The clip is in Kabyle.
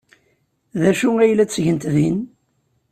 D acu ay la ttgent din?